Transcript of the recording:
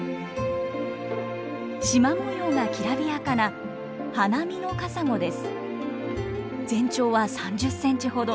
しま模様がきらびやかな全長は３０センチほど。